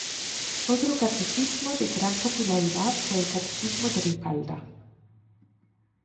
Otro catecismo de gran popularidad fue el catecismo de Ripalda.